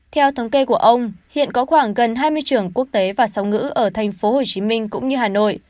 theo thống kê của ông hiện có khoảng gần hai mươi trường quốc tế và sóng ngữ ở thành phố hồ chí minh cũng như hà nội